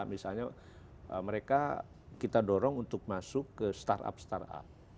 misalnya mereka kita dorong untuk masuk ke startup startup